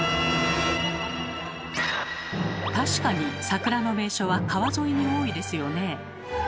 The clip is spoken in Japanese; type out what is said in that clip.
確かに桜の名所は川沿いに多いですよね。